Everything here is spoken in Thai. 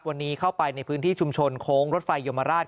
วันนี้เข้าไปในพื้นที่ชุมชนโค้งรถไฟยมราช